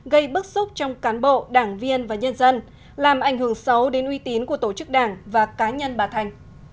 gây bức xúc trong cán bộ đảng viên và nhân dân làm ảnh hưởng xấu đến uy tín của tổ chức đảng và cá nhân bà thành